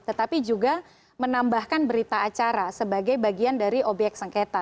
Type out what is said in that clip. tetapi juga menambahkan berita acara sebagai bagian dari obyek sengketa